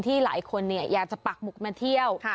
หลายคนอยากจะปักหมุกมาเที่ยว